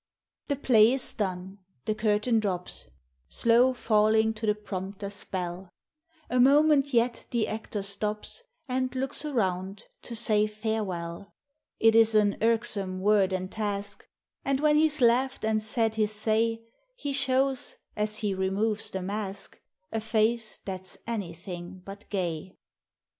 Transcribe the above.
The play is done, — the curtain drops, Slow falling to the prompter's bell ; A moment yet the actor stops, And looks around, to sav farewell. SABBATH: WORSHIP: CREED. 257 It is an irksome word and task; And, when he 's laughed and said his say, He shows, as he removes the mask, A face that 's anything but gay.